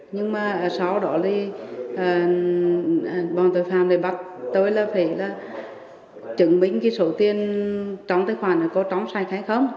nhưng mà sau đó thì bọn tội phạm bắt tôi là phải chứng minh số tiền trong tài khoản có trong sạch hay không